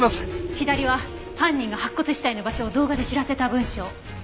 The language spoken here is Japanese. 左は犯人が白骨死体の場所を動画で知らせた文章。